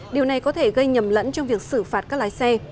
điều này có thể gây nhầm lẫn trong việc xử phạt các lái xe